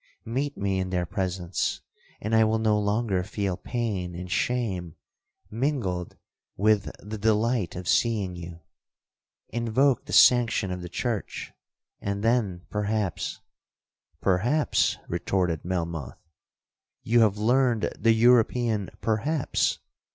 Meet me in their presence, and I will no longer feel pain and shame mingled with the delight of seeing you. Invoke the sanction of the church, and then, perhaps,'—'Perhaps!' retorted Melmoth; 'You have learned the European 'perhaps!'